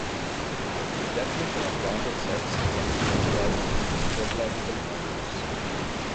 The definition of bounded sets can be generalized to topological modules.